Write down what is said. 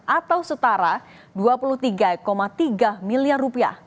atau setara dua puluh tiga tiga miliar rupiah